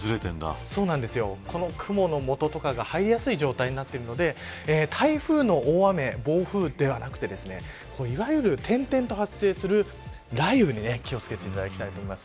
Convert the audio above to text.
雲のもととかが入りやすい状態になっているので台風の大雨暴風とかではなくいわゆる、点々と発生する雷雨に気を付けていただきたいと思います。